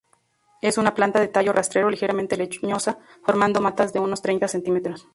Es una planta de tallo rastrero ligeramente leñosa, formando matas de unos treinta centímetros.